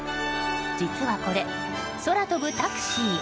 実はこれ、空飛ぶタクシー。